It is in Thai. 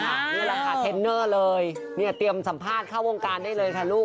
นี่แหละค่ะเทรนเนอร์เลยเนี่ยเตรียมสัมภาษณ์เข้าวงการได้เลยค่ะลูก